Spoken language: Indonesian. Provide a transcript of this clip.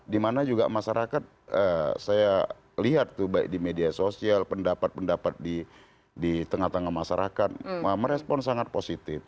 dimana juga masyarakat saya lihat tuh baik di media sosial pendapat pendapat di tengah tengah masyarakat merespon sangat positif